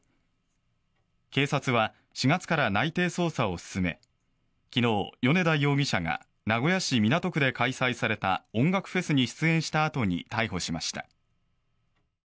警察は４月から内偵捜査を進め昨日、米田容疑者が名古屋市港区で開催された音楽フェスに出演したあとに逮捕しました。